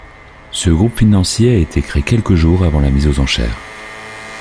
Ce groupe financier a été créé quelques jours avant la mise aux enchères.